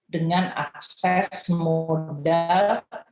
dengan akses modal